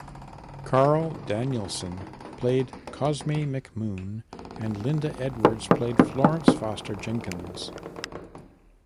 Carl Danielsen played Cosme McMoon and Linda Edwards played Florence Foster Jenkins.